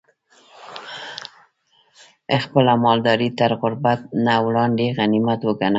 خپله مالداري تر غربت نه وړاندې غنيمت وګڼه